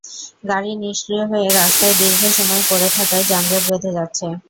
গাড়ি নিষ্ক্রিয় হয়ে রাস্তায় দীর্ঘ সময় পড়ে থাকায় যানজট বেধে যাচ্ছে।